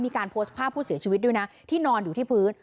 มีการโพสต์ภาพผู้เสียชีวิตด้วยนะที่นอนอยู่ที่พื้น